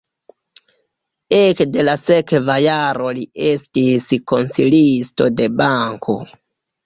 Ekde la sekva jaro li estis konsilisto de banko.